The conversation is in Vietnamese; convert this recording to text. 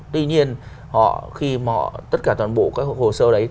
tuy nhiên họ khi họ tất cả toàn bộ các hồ sơ đấy